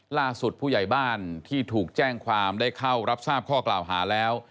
ผู้ใหญ่บ้านที่ถูกแจ้งความได้เข้ารับทราบข้อกล่าวหาแล้ว